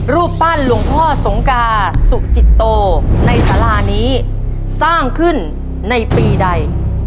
รูปปั้นหลวงพ่อสงกาสุจิตโตในสารานี้สร้างขึ้นในปีใด